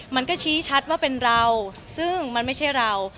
มันก็ชี้ชัดว่าเป็นเราซึ่งมันไม่ใช่เรา